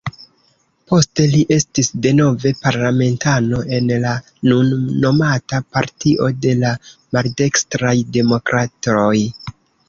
Poste li estis denove parlamentano, en la nun nomata Partio de la Maldekstraj Demokratoj.